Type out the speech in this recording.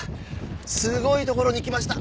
すごい所に来ました。